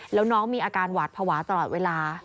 แล้วน้องมีอาการหวาดภาวะตลอดเวลา